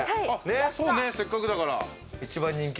そうね、せっかくだから。